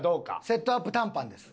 セットアップ短パンです。